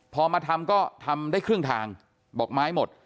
พอมาทำก็ทำได้ครึ่งทางบอกไม้หมด